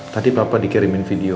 tadi papa dikirimin video